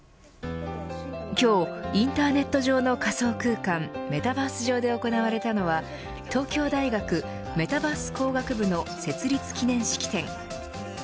今日インターネット上の仮想空間メタバース上で行われたのは東京大学メタバース工学部の設立記念式典。